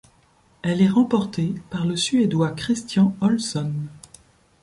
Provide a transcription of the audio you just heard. Elle est remportée par le Suédois Christian Olsson.